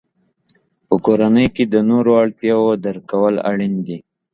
په کورنۍ کې د نورو اړتیاوو درک کول اړین دي.